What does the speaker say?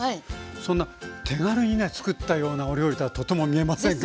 そんな手軽にねつくったようなお料理とはとても見えませんが。